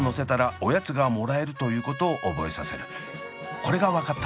これが分かったら。